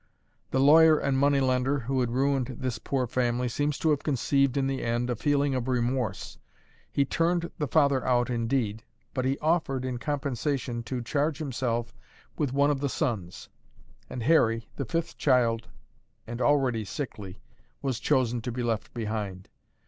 The lawyer and money lender who had ruined this poor family seems to have conceived in the end a feeling of remorse; he turned the father out indeed, but he offered, in compensation, to charge himself with one of the sons: and Harry, the fifth child and already sickly, was chosen to be left behind.